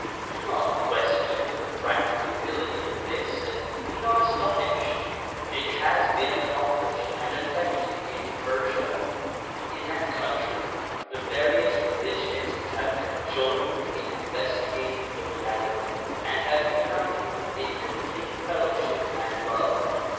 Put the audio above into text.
Do not question the practicability of this and be not astonished. It has been accomplished and effected in Persia. In that country the various religionists have conjoined in investigating the reality and have united in complete fellowship and love.